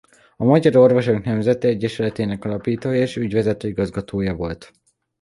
A Magyar Orvosok Nemzeti Egyesületének alapítója és ügyvezető igazgatója volt.